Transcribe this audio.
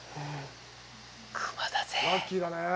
熊だぜ。